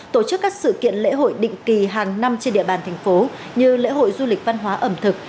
tổ chức các sự kiện lễ hội định kỳ hàng năm trên địa bàn thành phố như lễ hội du lịch văn hóa ẩm thực